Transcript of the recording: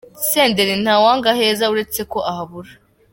Senderi: Ntawanga aheza, uretse ko ahabura.